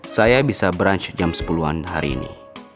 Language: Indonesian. saya bisa brunch jam sepuluh an hari ini